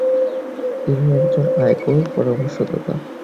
তিনি একজন আয়কর পরামর্শদাতা।